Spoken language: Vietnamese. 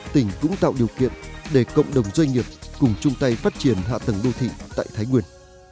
tỉnh cũng tạo điều kiện để cộng đồng doanh nghiệp cùng chung tay phát triển hạ tầng đô thị tại thái nguyên